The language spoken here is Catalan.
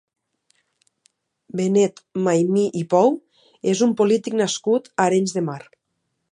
Benet Maimí i Pou és un polític nascut a Arenys de Mar.